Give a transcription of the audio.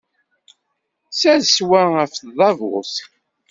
Ssers wa ɣef tdabut.